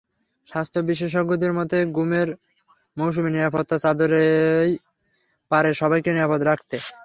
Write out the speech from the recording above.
স্বাস্থ্য বিশেষজ্ঞদের মতে, গুমের মৌসুমে নিরাপত্তার চাদরই পারে সবাইকে নিরাপদ রাখতে।